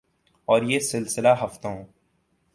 اور یہ سلسلہ ہفتوں